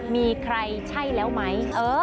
มีใครใช่แล้วไหม